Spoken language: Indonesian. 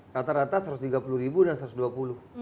rata rata rp satu ratus tiga puluh ribu dan satu ratus dua puluh